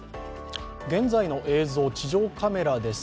現在の映像、地上カメラです。